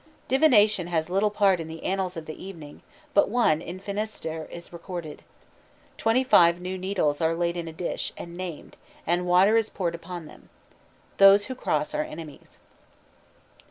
Divination has little part in the annals of the evening, but one in Finistère is recorded. Twenty five new needles are laid in a dish, and named, and water is poured upon them. Those who cross are enemies.